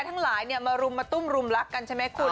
ทั้งหลายมารุมมาตุ้มรุมรักกันใช่ไหมคุณ